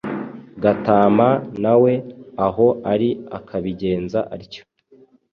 Gatama na we aho ari akabigenza atyo.